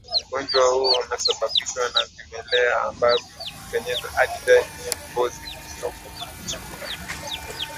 ugonjwa huu Unasababishwa na vimelea ambavyo hujipenyeza hadi ndani ya ngozi Kiroboto hicho kinaweza